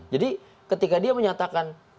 jadi ketika dia menyatakan